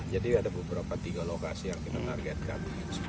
jadi ada beberapa tiga lokasi yang kita targetkan